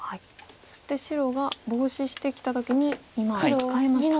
そして白がボウシしてきた時に今カカえました。